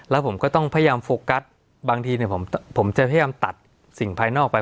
แล้วผมก็ต้องพยายามโฟกัสบางทีผมจะพยายามตัดสิ่งภายนอกไป